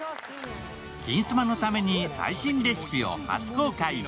「金スマ」のために最新レシピを初公開。